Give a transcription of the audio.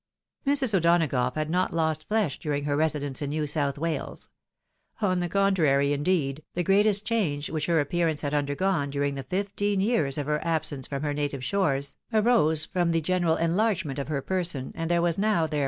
Mrs. O'Donagough had not lost flesh during her residence in New South Wales ; on the contrary, indeed, the greatest change which her appearance had undergone during the fifteen years of her absence from her native shores, arose from the general enlargement of her person, and there was now, there 56 THE WIDOW MARRIED.